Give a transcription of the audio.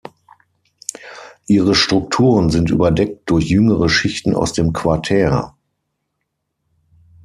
Ihre Strukturen sind überdeckt durch jüngere Schichten aus dem Quartär.